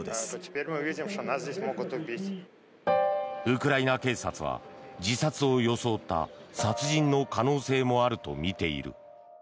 ウクライナ警察は自殺を装った殺人の可能性もあるとみている。